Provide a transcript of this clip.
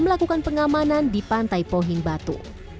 melakukan pengamanan di pantai pohing batu